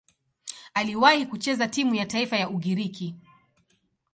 Aliwahi kucheza timu ya taifa ya Ugiriki.